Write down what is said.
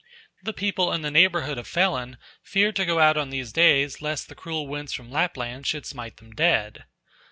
The people in the neighbourhood of Fellin fear to go out on these days lest the cruel winds from Lappland should smite them dead.